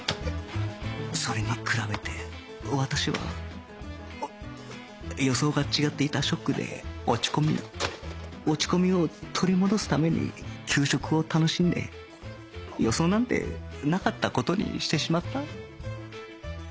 それに比べて私は予想が違っていたショックで落ち込み落ち込みを取り戻すために給食を楽しんで予想なんてなかった事にしてしまった